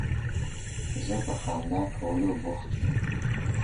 زه په خندا کولو بوخت یم.